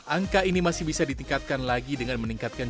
angka ini masih bisa ditingkatkan lagi dengan meningkatkan